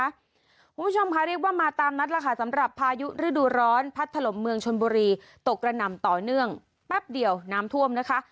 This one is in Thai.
คุณผู้ชมค่ะเรียกว่ามาตามนัดแล้วค่ะสำหรับพายุฤดูร้อนพัดถล่มเมืองชนบุรีตกระหน่ำต่อเนื่องแป๊บเดียวน้ำท่วมนะคะ